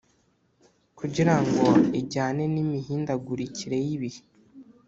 kugirango ijyane n'imihindagurikire y'ibihe